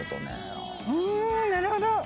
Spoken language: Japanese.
「なるほど⁉」